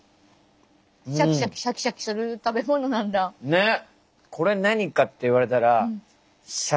ねっ！